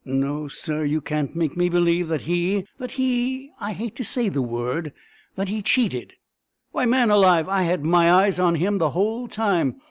No, sir, you can't make me believe that he that he I hate to say the word that he cheated. Why, man alive! I had my eyes on him the whole time.